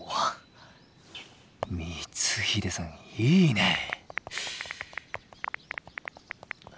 光秀さんいいねえ。